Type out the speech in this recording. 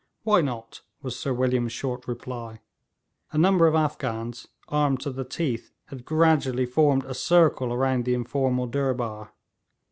'Why not?' was Sir William's short reply. A number of Afghans, armed to the teeth, had gradually formed a circle around the informal durbar.